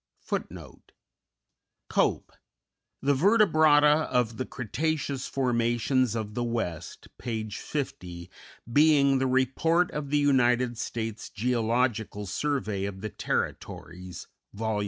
_Cope: "The Vertebrata of the Cretaceous Formations of the West," p. 50, being the "Report of the United States Geological Survey of the Territories," Vol.